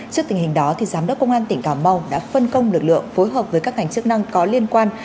trước tình hình đó giám đốc công an tỉnh cà mau đã phân công lực lượng phối hợp với các ngành chức năng có liên quan